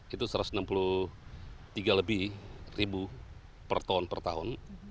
itu satu ratus enam puluh tiga lebih ribu per ton per tahun